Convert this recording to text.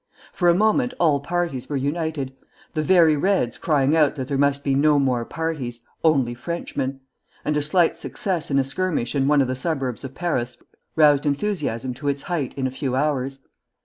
For a moment all parties were united, the very Reds crying out that there must be no more parties, only Frenchmen; and a slight success in a skirmish in one of the suburbs of Paris roused enthusiasm to its height in a few hours.